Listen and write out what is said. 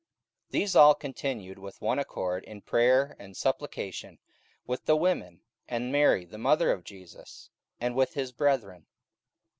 44:001:014 These all continued with one accord in prayer and supplication, with the women, and Mary the mother of Jesus, and with his brethren.